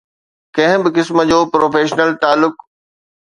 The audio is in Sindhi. ڪنهن به قسم جو پروفيشنل تعلق